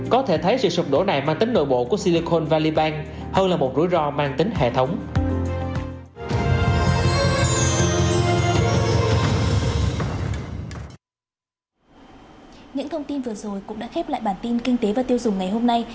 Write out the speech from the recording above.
có thể thấy sự sụp đổ này mang tính nội bộ của silicon valibank hơn là một rủi ro mang tính hệ thống